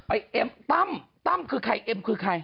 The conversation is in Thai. เอ็มตั้มตั้มคือใครเอ็มคือใคร